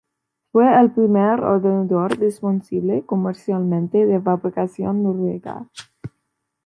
Fue el primer ordenador disponible comercialmente de fabricación Noruega.